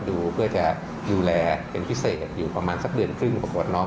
ดูเพื่อจะดูแลเป็นพิเศษอยู่ประมาณสักเดือนครึ่งปรากฏว่าน้อง